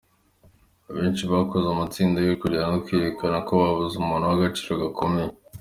Abenshi bakoze amatsinda yo kurira no kwerekana ko babuze umuntu w’agaciro gakomeye.